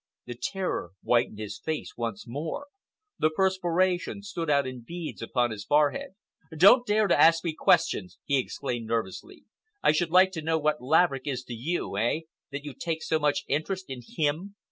The terror whitened his face once more. The perspiration stood out in beads upon his forehead. "Don't dare to ask me questions!" he exclaimed nervously. "I should like to know what Laverick is to you, eh, that you take so much interest in him?